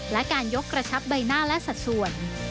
และการยกกระชับใบหน้าและสัดส่วน